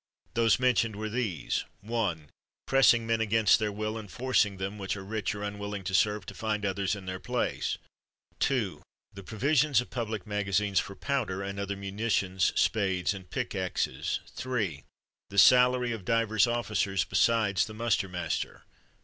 Those mentioned were these : 1. Pressing men against their will, and forcing them which are rich or unwilling to serve, to find others in their place. 2. The provision of public maga zines for powder, and other munitions, spades and pickaxes. 3. The salary of divers officers besides the muster master.